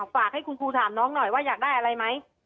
ฝากให้คุณครูถามน้องหน่อยว่าอยากได้อะไรไหม